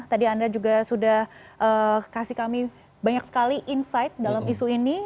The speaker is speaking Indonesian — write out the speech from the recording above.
tadi anda juga sudah kasih kami banyak sekali insight dalam isu ini